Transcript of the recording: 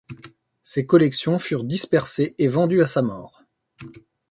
Ses collections furent dispersées et vendues à sa mort.